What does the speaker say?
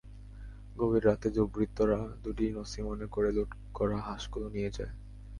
গভীর রাতে দুর্বৃত্তরা দুটি নছিমনে করে লুট করা হাঁসগুলো নিয়ে যায়।